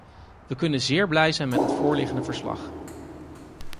We kunnen zeer blij zijn met het voorliggende verslag.